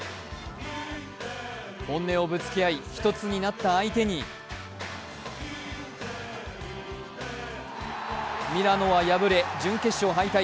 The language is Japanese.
本音をぶつけ合い１つになった相手にミラノは敗れ準決勝敗退。